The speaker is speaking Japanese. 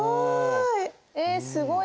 すごい！